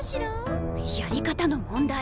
やり方の問題。